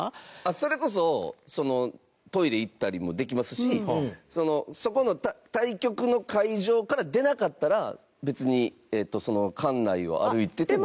それこそトイレ行ったりもできますしそこの対局の会場から出なかったら別に、館内を歩いててもいい。